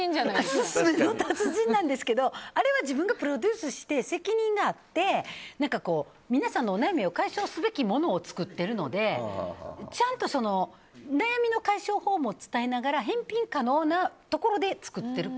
勧めの達人なんですけどあれは自分がプロデュースして責任があって、皆さんのお悩みを解消すべきものを作ってるので、ちゃんと悩みの解消法も伝えながら返品可能なところで作ってる。